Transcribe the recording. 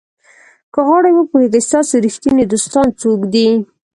که غواړئ وپوهیږئ ستاسو ریښتیني دوستان څوک دي.